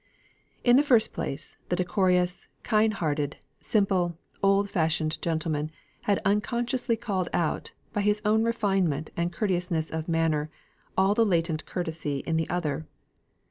In the first place, the decorous, kind hearted, simple, old fashioned gentleman, had unconsciously called out, by his own refinement and courteousness of manner, all the latent courtesy in the other.